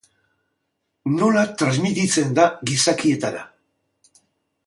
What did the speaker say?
Nola transmititzen da gizakietara?